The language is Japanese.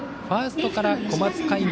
ファーストから小松海